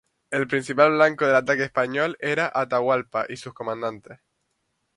El principal blanco del ataque español era Atahualpa y sus comandantes.